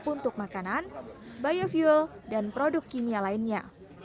untuk makanan biofuel dan produk kimia lainnya